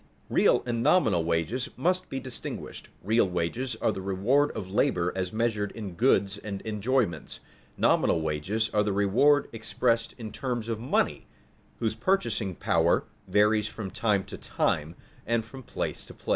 Real and nominal wages must be distinguished: real wages are the reward of labor as measured in goods and enjoyments; nominal wages are the reward expressed in terms of money, whose purchasing power varies from time to time and from place to place.